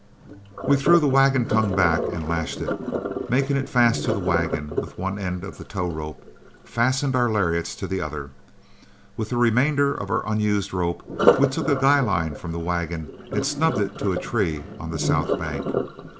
We threw the wagon tongue back and lashed it, and making fast to the wagon with one end of the tow rope, fastened our lariats to the other. With the remainder of our unused rope, we took a guy line from the wagon and snubbed it to a tree on the south bank.